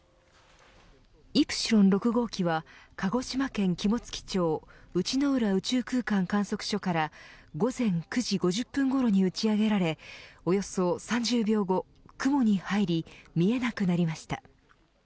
イプシロン６号機は鹿児島県肝付町内之浦宇宙空間観測所から午前９時５０分ごろに打ち上げられおよそ３０分後曇に入り見えなくなりました。